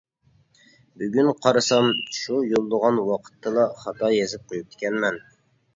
بۈگۈن قارىسام شۇ يوللىغان ۋاقىتتىلا خاتا يېزىپ قويۇپتىكەنمەن.